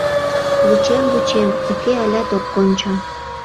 Вучем-вучем — уке, алят ок кончо.